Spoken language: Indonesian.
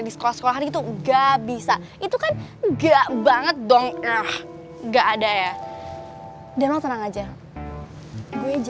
jelek amat mukanya begitu